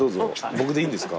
僕でいいんですか？